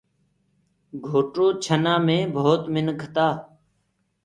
گھوٽو ڇنآ مي ڀوت منک تآ